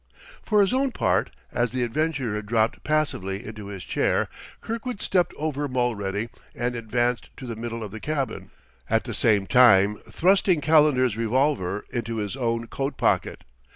For his own part, as the adventurer dropped passively into his chair, Kirkwood stepped over Mulready and advanced to the middle of the cabin, at the same time thrusting Calendar's revolver into his own coat pocket.